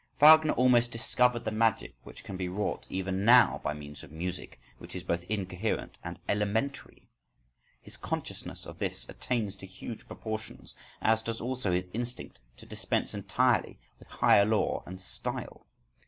… Wagner almost discovered the magic which can be wrought even now by means of music which is both incoherent and elementary. His consciousness of this attains to huge proportions, as does also his instinct to dispense entirely with higher law and style.